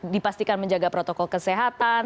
dipastikan menjaga protokol kesehatan